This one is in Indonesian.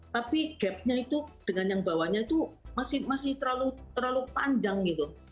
tapi gapnya itu dengan yang bawahnya itu masih terlalu panjang gitu